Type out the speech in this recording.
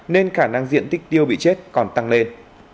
nên khả năng diện tích tiêu bị chết còn tăng lên